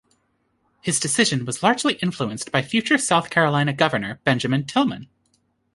His decision was largely influenced by future South Carolina Governor Benjamin Tillman.